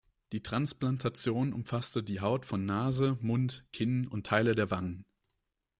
Die Transplantation umfasste die Haut von Nase, Mund, Kinn und Teile der Wangen.